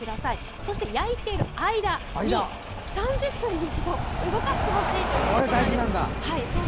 そして焼いている間に３０分に一度動かしてほしいということです。